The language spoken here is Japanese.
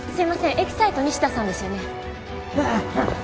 エキサイト西田さんですよね？